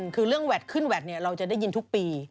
คือเรื่องแวดขึ้นแวดเราจะได้ยินทุกปี